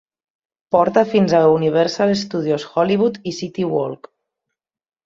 Porta fins a Universal Studios Hollywood i City Walk.